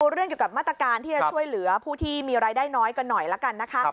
เรื่องเกี่ยวกับมาตรการที่จะช่วยเหลือผู้ที่มีรายได้น้อยกันหน่อยละกันนะคะ